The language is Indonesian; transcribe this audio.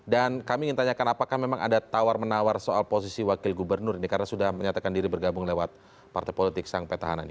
dan kami ingin tanyakan apakah memang ada tawar menawar soal posisi wakil gubernur ini karena sudah menyatakan diri bergabung lewat partai politik sang petahana ini